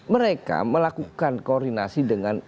mereka melakukan koordinasi dengan